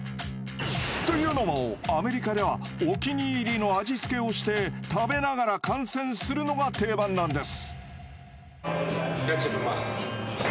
というのも、アメリカではお気に入りの味付けをして食べながら観戦するのが定番なんです。